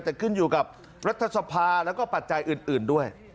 แต่ขึ้นอยู่กับรัฐสภาแล้วก็ปัจจัยอื่นด้วย